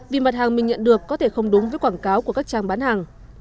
vì mặt hàng mình nhận được có thể không đúng với quảng cáo của các trang bán hàng